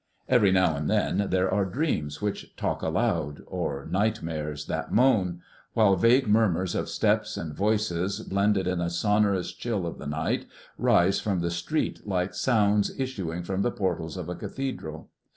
Every now and then there are dreams which talk aloud, or nightmares that moan; while vague murmurs of steps and voices, blended in the sonorous chill of the night, rise from the street like sounds issuing from the portals of a cathedral.